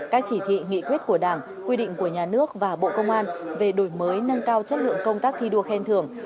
các chỉ thị nghị quyết của đảng quy định của nhà nước và bộ công an về đổi mới nâng cao chất lượng công tác thi đua khen thưởng